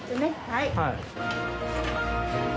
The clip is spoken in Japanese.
はい。